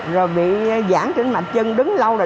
rồi bị giãn trĩnh mạch chân đứng lâu rồi đứng